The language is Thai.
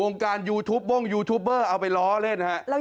การยูทูปบ้งยูทูปเบอร์เอาไปล้อเล่นฮะ